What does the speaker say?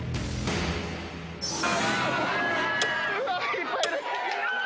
うわいっぱいいる。